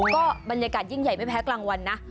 ก็บรรยากาศยิ่งใหญ่ไม่แพ้กลางวันนะ